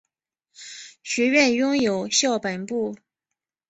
学院拥有校本部。